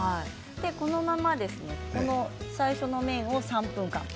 このまま最初の面を３分間。